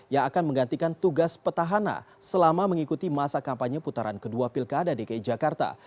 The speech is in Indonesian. yang akan menggantikan tugas petahana selama mengikuti masa kampanye putaran kedua pilkada dki jakarta